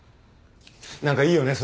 何かいいよね